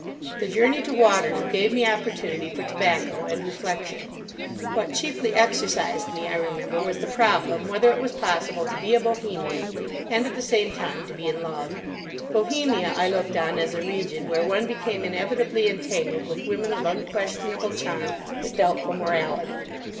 The journey to Waterloo gave me opportunity for tobacco and reflection. What chiefly exercised me, I remember, was the problem whether it was possible to be a Bohemian, and at the same time to be in love. Bohemia I looked on as a region where one became inevitably entangled with women of unquestionable charm, but doubtful morality.